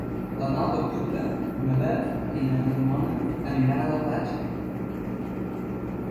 El nou d'octubre na Bet i na Ramona aniran a la platja.